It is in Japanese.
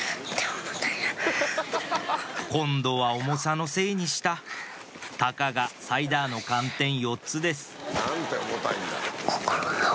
今度は重さのせいにしたたかがサイダーの寒天４つです